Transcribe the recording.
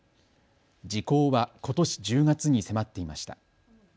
時効はことし１０月に迫っていました。